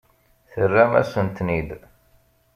Terram-asen-ten-id.